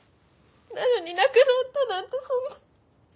なのに亡くなったなんてそんな。